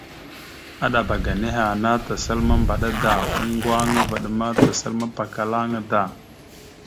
Aɗaba ga nehe ana, tasal mambaɗa da, oŋgo aŋa vaɗ ma tasal mapakala aŋa da.